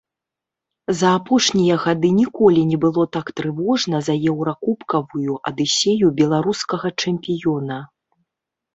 За апошнія гады ніколі не было так трывожна за еўракубкавую адысею беларускага чэмпіёна.